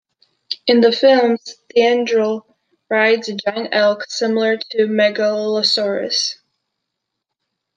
In the films, Thranduil rides a giant elk, similar to a Megaloceros.